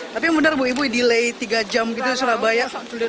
tapi benar bu ibu di lay tiga jam kita surabaya